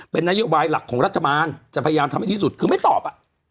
เป็นนโยบายหลักของรัฐบาลจะพยายามทำให้ดีที่สุดคือไม่ตอบ